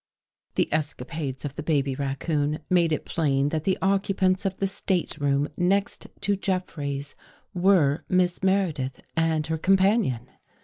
The escapades of the baby raccoon made it plain that the occupants of the stateroom next to Jeffrey's were Miss Mere dith and her companion.